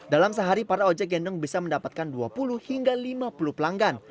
dalam sehari para ojek gendong bisa mendapatkan dua puluh hingga lima puluh pelanggan